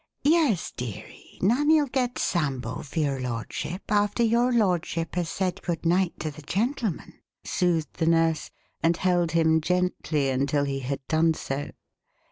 "Yes, dearie, Nanny'll get Sambo for your lordship after your lordship has said good night to the gentleman," soothed the nurse; and held him gently until he had done so.